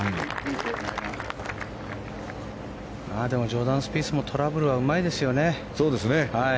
ジョーダン・スピースもトラブルはうまいですよね。